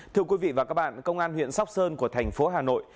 thưa quý vị và các bạn công an huyện sóc sơn của thành phố hà nội